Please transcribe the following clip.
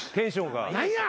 何や！